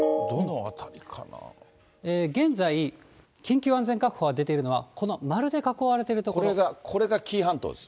現在、緊急安全確保が出ているのは、これが紀伊半島です。